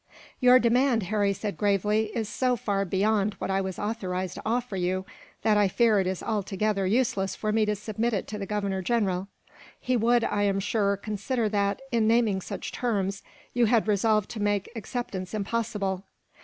"Your demand," Harry said gravely, "is so far beyond what I was authorized to offer you, that I fear it is altogether useless for me to submit it to the Governor General. He would, I am sure, consider that, in naming such terms, you had resolved to make acceptance impossible."